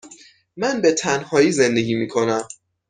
من به تنهایی زندگی می کنم.